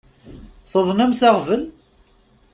Tuḍnemt aɣbel?